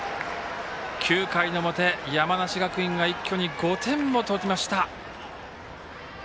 ９回の表、山梨学院が一挙に５点も取りました。